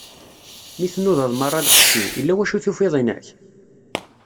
Mi tnudaḍ meṛṛa lqecc-iw, illa wacu i tufiḍ inek?